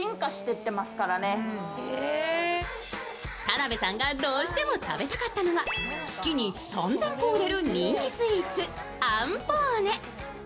田辺さんがどうしても食べたかったのは月に３０００個売れる人気スイーツ、あんぽーね。